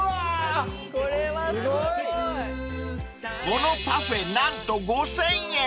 ［このパフェ何と５，０００円］